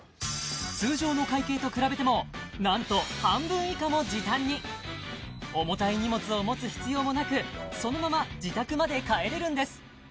通常の会計と比べてもなんと半分以下も時短に重たい荷物を持つ必要もなくそのまま自宅まで帰れるんです